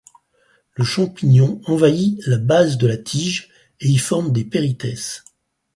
Le champignon envahit la base de la tige et y forme des périthèces.